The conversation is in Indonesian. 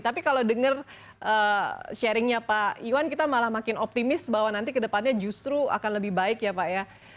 tapi kalau dengar sharingnya pak iwan kita malah makin optimis bahwa nanti kedepannya justru akan lebih baik ya pak ya